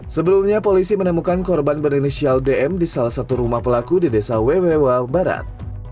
sebelumnya polisi menemukan korban berinisial dm di salah satu rumah pelaku di desa wewea barat